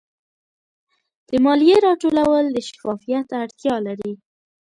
د مالیې راټولول د شفافیت اړتیا لري.